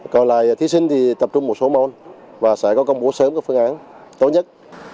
còn lại thí sinh thì tập trung một số môn và sẽ có công bố sớm các phương án tốt nhất